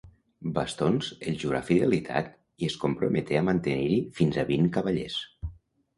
Bastons els jurà fidelitat i es comprometé a mantenir-hi fins a vint cavallers.